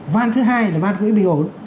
van thứ hai là van quỹ bình ổn